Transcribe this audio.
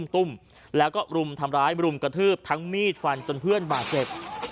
ตุ้มแล้วก็รุมทำร้ายรุมกระทืบทั้งมีดฟันจนเพื่อนบาดเจ็บ